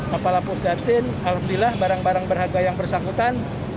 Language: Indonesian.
kepala pusdatin alhamdulillah barang barang berharga yang bersangkutan